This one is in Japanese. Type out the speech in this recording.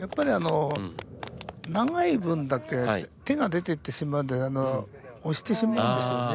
やっぱり長い分だけ手が出てってしまうんで押してしまうんですよね。